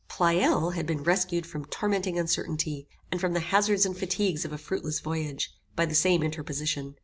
Pleyel had been rescued from tormenting uncertainty, and from the hazards and fatigues of a fruitless voyage, by the same interposition.